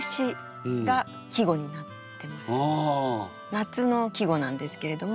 夏の季語なんですけれども。